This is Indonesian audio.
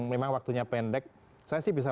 memang waktunya pendek saya sih bisa